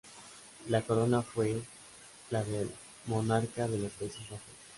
La corona fue la del monarca de los Países Bajos.